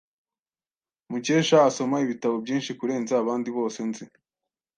Mukesha asoma ibitabo byinshi kurenza abandi bose nzi.